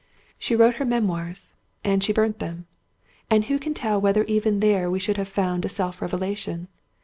She wrote her Memoirs, and she burnt them; and who can tell whether even there we should have found a self revelation?